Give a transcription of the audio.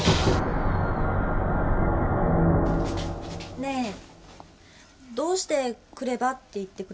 ねぇどうして「来れば」って言ってくれたの？